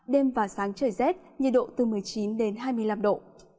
đêm và sáng trời rét nhiệt độ từ một mươi chín đến hai mươi năm độ